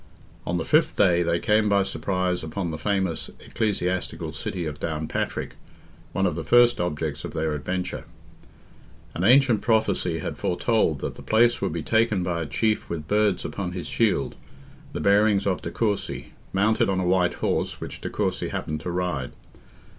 On the fifth day, they came by surprise upon the famous ecclesiastical city of Downpatrick, one of the first objects of their adventure. An ancient prophecy had foretold that the place would be taken by a chief with birds upon his shield, the bearings of de Courcy, mounted on a white horse, which de Courcy happened to ride.